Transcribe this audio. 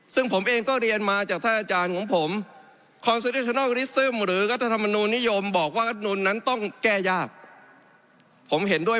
ซึ่งผมเองก็เรียนมาจากท่าอาจารย์ของผม